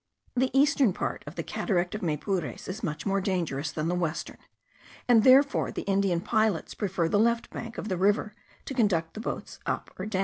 The eastern part of the cataract of Maypures is much more dangerous than the western; and therefore the Indian pilots prefer the left bank of the river to conduct the boats down or up.